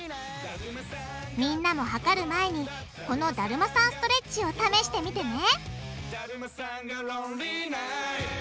みんなも測る前にこのだるまさんストレッチを試してみてね